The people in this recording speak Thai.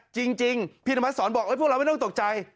จริงจริงพี่ธรรมัสสอนบอกเอ้ยพวกเราไม่ต้องตกใจ